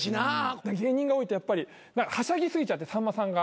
芸人が多いとやっぱりはしゃぎ過ぎちゃってさんまさんが。